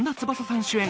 翼さん主演